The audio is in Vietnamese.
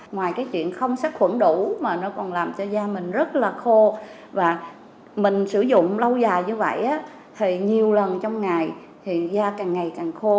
ngoài cái chuyện không sát khuẩn đủ mà nó còn làm cho da mình rất là khô và mình sử dụng lâu dài như vậy thì nhiều lần trong ngày thì da càng ngày càng khô